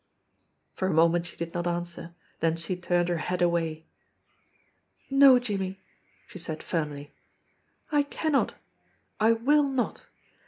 "For a moment she did not answer, then she turned her head away. "No, Jimmie!" she said firmly. "I cannot! I will not!